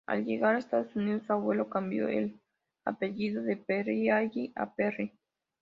Al llegar a Estados Unidos su abuelo cambió el apellido de Pereira a Perry.